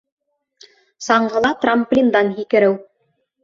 Саңғыла трамплиндан һикереү